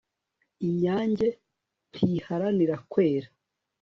inyange ntiharanira kwera